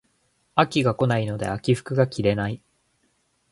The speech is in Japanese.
秋が来ないので秋服が着れない